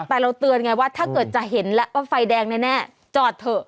แต่เราเตือนไงว่าถ้าเกิดจะเห็นแล้วว่าไฟแดงแน่จอดเถอะ